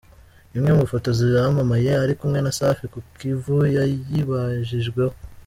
Imwe mu ifoto zamamaye ari kumwe na Safi ku kivu yayibajijweho.